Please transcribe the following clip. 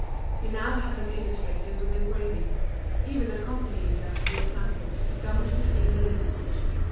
He now had them illustrated with engravings, even accompanying them with samples, gummed between the leaves.